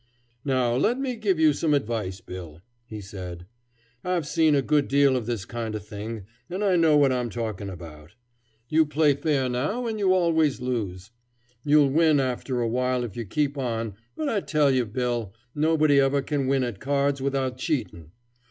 "Now let me give you some advice, Bill," he said. "I've seen a good deal of this kind of thing, and I know what I'm talking about. You play fair now, and you always lose. You'll win after a while if you keep on, but I tell you, Bill, nobody ever can win at cards without cheating.